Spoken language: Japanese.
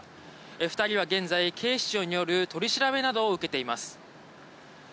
２人は現在、警視庁による取り調べなどを受けています。